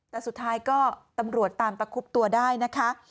แต่สุดท้ายก็ตำรวจตามประคุบตัวได้นะคะ